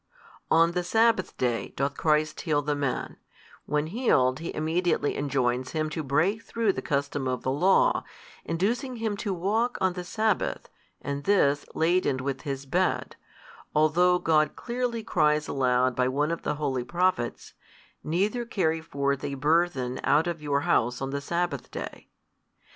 |239 On the Sabbath day doth Christ heal the man, when healed He immediately enjoins him to break through the custom of the law, inducing him to walk on the Sabbath and this laden with his bed, although God clearly cries aloud by one of the holy Prophets, Neither carry forth a burthen out of your house on the Sabbath day.